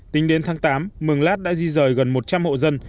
tính đến tháng tám mường lát đã di rời gần một trăm linh hộ dân